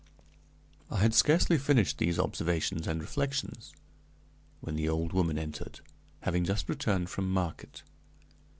I had scarcely finished these observations and reflections, when the old woman entered, having just returned from market.